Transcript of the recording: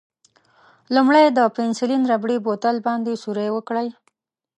لومړی د پنسیلین ربړي بوتل باندې سوری وکړئ.